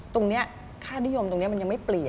ค่านิยมตรงนี้มันยังไม่เปลี่ยน